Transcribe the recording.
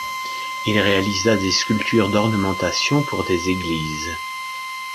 Il réalisa des sculptures d'ornementation pour des églises.